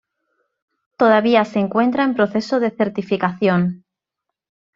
Todavía se encuentra en proceso de certificación.